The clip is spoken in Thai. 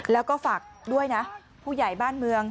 แล้วก็ฝากด้วยนะผู้ใหญ่บ้านเมือง